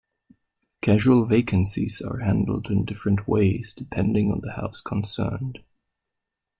Casual vacancies are handled in different ways, depending on the house concerned.